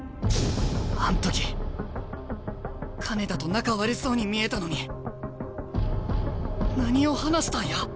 あん時金田と仲悪そうに見えたのに何を話したんや？